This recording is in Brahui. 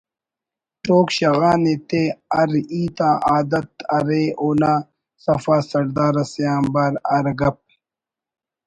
ٹوک شغان ایتے ہر ہیت آ عادت ارے اُونا سفا سردار اسے آنبار ہر گپّ